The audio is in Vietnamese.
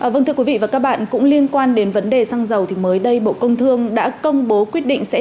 vâng thưa quý vị và các bạn cũng liên quan đến vấn đề xăng dầu thì mới đây bộ công thương đã công bố quyết định sẽ